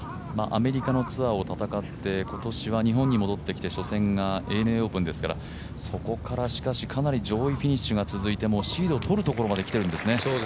アメリカのツアーを戦って今年は日本に戻ってきて初戦がＡＮＡオープンですからそこからしかし、かなり上位フィニッシュが続いて、シードをとるところまできてるんですね。